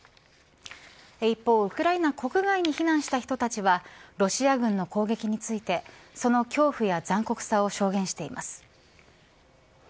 一方、ウクライナ国外に避難した人たちはロシア軍の攻撃についてその恐怖や残酷さを証言しています。